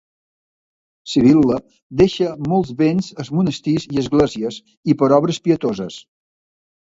Sibil·la deixà molts béns als monestirs i esglésies i per obres pietoses.